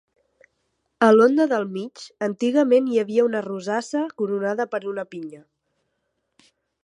A l'onda del mig, antigament hi havia una rosassa coronada per una pinya.